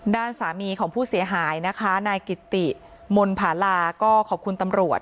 ด้านสามีของผู้เสียหายนะคะนายกิติมนต์ผาลาก็ขอบคุณตำรวจ